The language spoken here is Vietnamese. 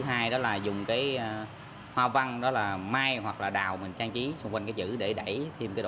hai đó là dùng cái hoa văn đó là mai hoặc là đào mình trang trí xung quanh cái chữ để đẩy thêm cái đồ